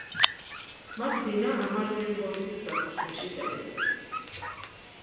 მათ ბინა ამალიენბორგის სასახლეში დაიდეს.